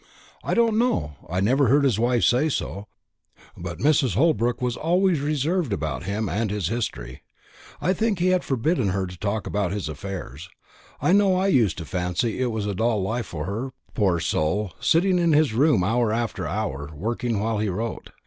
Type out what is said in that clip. "I don't know; I never heard his wife say so. But Mrs. Holbrook was always reserved about him and his history. I think he had forbidden her to talk about his affairs. I know I used to fancy it was a dull life for her, poor soul, sitting in his room hour after hour, working while he wrote.